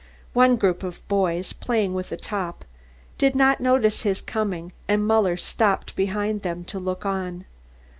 One group of boys, playing with a top, did not notice his coming and Muller stopped behind them to look on.